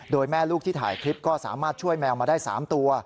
โดยแม่ลูกที่ถ่ายคลิปก็สามารถช่วยแมวมาได้๓ตัว